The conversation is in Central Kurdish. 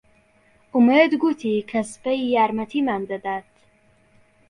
ئومێد گوتی کە سبەی یارمەتیمان دەدات.